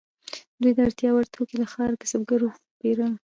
دوی د اړتیا وړ توکي له ښاري کسبګرو پیرل.